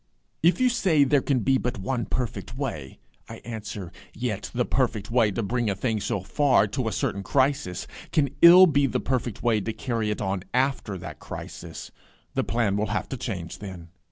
If you say There can be but one perfect way, I answer, Yet the perfect way to bring a thing so far, to a certain crisis, can ill be the perfect way to carry it on after that crisis: the plan will have to change then.